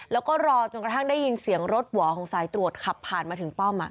แล้วก็รอจนกระทั่งได้ยินเสียงรถหวอของสายตรวจขับผ่านมาถึงป้อม